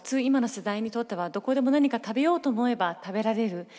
今の世代にとってはどこでも何か食べようと思えば食べられる。